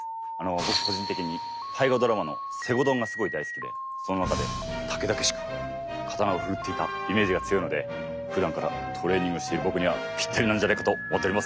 僕個人的に大河ドラマの「西郷どん」がすごい大好きでその中で猛々しく刀を振るっていたイメージが強いのでふだんからトレーニングしている僕にはピッタリなんじゃないかと思っております。